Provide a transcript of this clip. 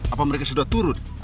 apa mereka sudah turun